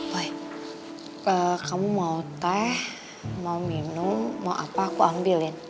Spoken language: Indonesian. baik kamu mau teh mau minum mau apa aku ambilin